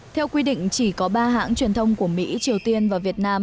theo quy định chỉ có ba hãng truyền thông của mỹ triều tiên và việt nam